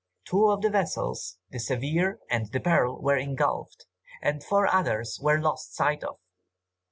Two of the vessels, the Severe and the Pearl, were engulfed, and four others were lost sight of.